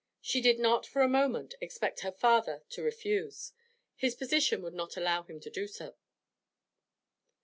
She did not for a moment expect her father to refuse; his position would not allow him to do so.